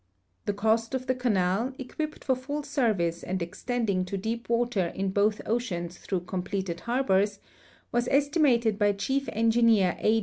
The cost of the canal, equipped for full service and extending to deep water in both oceans through completed harbors, was esti mated by Chief Engineer A.